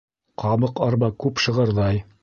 Ҡабыҡ арба күп шығырҙай